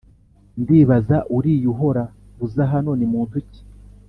ndibaza uriya uhora uza hano ni muntu ki